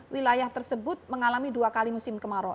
wilayah tersebut mengalami dua kali musim kemarau